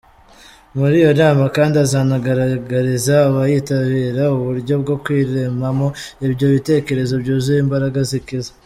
Muri iyo nama kandi, azanagaragariza abayitabira uburyo bwo kwiremamo ibyo bitekerezo byuzuye imbaraga zikiza.